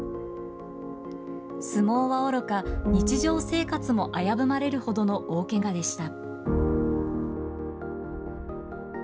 相撲はおろか日常生活も危ぶまれるほどの大けがでした。